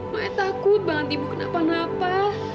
makanya takut banget ibu kenapa napa